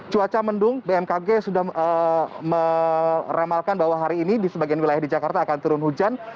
cuaca mendung bmkg sudah meramalkan bahwa hari ini di sebagian wilayah di jakarta akan turun hujan